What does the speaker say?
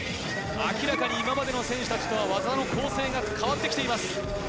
明らかに今までの選手とは技の構成が変わってきています。